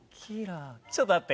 ちょっと待って。